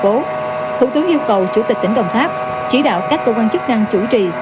cố thủ tướng yêu cầu chủ tịch tỉnh đồng tháp chỉ đạo các cơ quan chức năng chủ trì